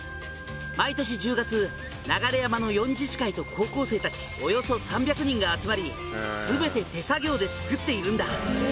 「毎年１０月流山の４自治会と高校生たちおよそ３００人が集まり全て手作業で作っているんだ」